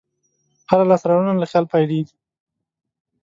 هره لاسته راوړنه له خیال پیلېږي.